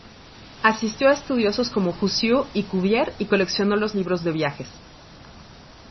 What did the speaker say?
Asistió a estudiosos como Jussieu y Cuvier y coleccionó los libros de viajes.